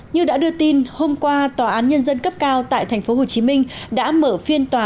như đã đưa tin hôm qua tòa án nhân dân cấp cao tại tp hcm đã mở phiên tòa